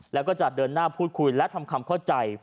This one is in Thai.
แล้วก็จะเดินหน้าพูดคุยและทำความเข้าใจ